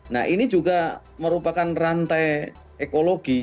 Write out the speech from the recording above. nah ini juga merupakan rantai ekologi